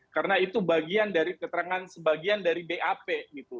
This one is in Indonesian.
karena itu bagian dari keterangan sebagian dari bap gitu